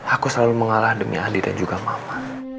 aku selalu mengalah demi adik dan juga mama